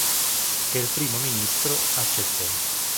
Che il primo ministro, accettò.